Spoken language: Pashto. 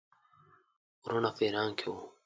وروڼه په ایران کې وه.